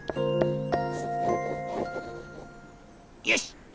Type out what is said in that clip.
よし！